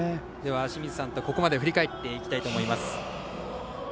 清水さんとここまでを振り返っていきたいと思います。